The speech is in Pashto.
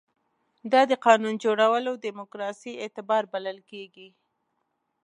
دا د قانون جوړولو دیموکراسي اعتبار بلل کېږي.